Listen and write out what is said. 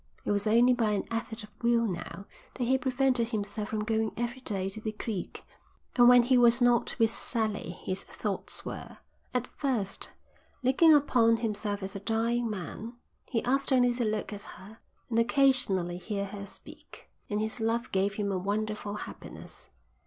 It was only by an effort of will now that he prevented himself from going every day to the creek, and when he was not with Sally his thoughts were. At first, looking upon himself as a dying man, he asked only to look at her, and occasionally hear her speak, and his love gave him a wonderful happiness.